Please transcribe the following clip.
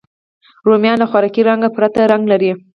رومیان له خوراکي رنګ پرته رنګ لري